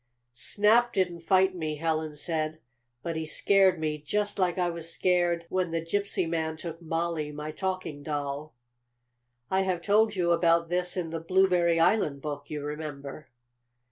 "Snap didn't fight me," Helen said. "But he scared me just like I was scared when the gypsy man took Mollie, my talking doll." I have told you about this in the Blueberry Island book, you remember.